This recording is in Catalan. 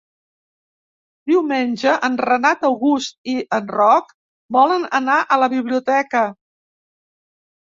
Diumenge en Renat August i en Roc volen anar a la biblioteca.